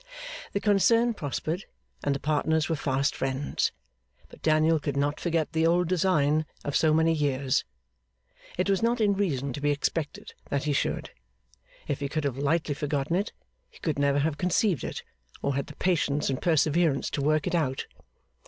The concern prospered, and the partners were fast friends. But Daniel could not forget the old design of so many years. It was not in reason to be expected that he should; if he could have lightly forgotten it, he could never have conceived it, or had the patience and perseverance to work it out.